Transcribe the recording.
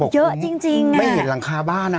เยอะจริงไม่เห็นหลังคาบ้านอ่ะ